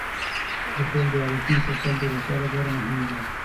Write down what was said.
د خوب د عادتونو ساتل د روغتیا لپاره مهم دی.